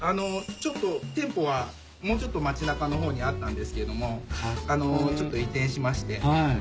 ちょっと店舗はもうちょっと街中の方にあったんですけどもちょっと移転しまして。